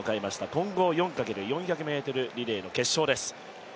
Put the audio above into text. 混合４×４００ｍリレーの決勝です。